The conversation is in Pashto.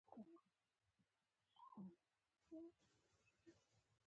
د زده کړې ټول تمرینونه د لوحو په واسطه ترسره شول.